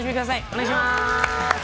お願いします！